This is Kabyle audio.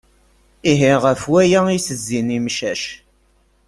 Ihi ɣef waya i as-zzin yemcac.